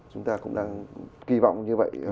chúng ta cũng đang kỳ vọng như vậy